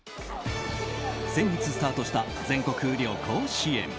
先月スタートした全国旅行支援。